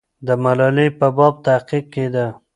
د ملالۍ په باب تحقیق کېده.